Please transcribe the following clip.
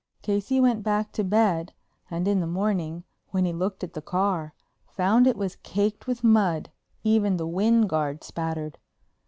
Casey went back to bed and in the morning, when he looked at the car, found it was caked with mud, even the wind guard spattered.